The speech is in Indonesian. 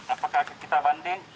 apakah kita banding